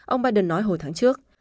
ông biden nói hồi tháng trước